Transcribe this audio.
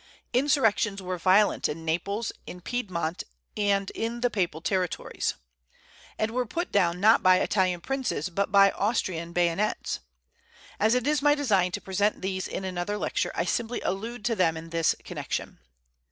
Insurrections were violent in Naples, in Piedmont, and in the papal territories, and were put down not by Italian princes, but by Austrian bayonets. As it is my design to present these in another lecture, I simply allude to them in this connection.